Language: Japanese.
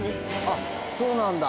あっそうなんだ。